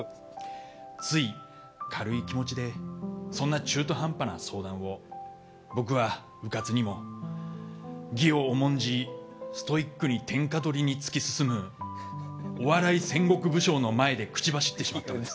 つい、軽い気持ちでそんな中途半端な相談を僕は、うかつにも義を重んじストイックに天下とりに突き進むお笑い戦国武将の前で口走ってしまったのです。